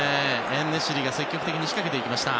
エンネシリが積極的に仕掛けていきました。